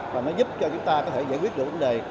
và nó giúp cho chúng ta có thể giải quyết được vấn đề